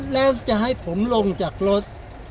แล้วจะให้ผมลงจากรถ